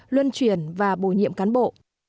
luân chuyển và bồi nhiệm cán bộ